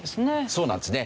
そうなんですね。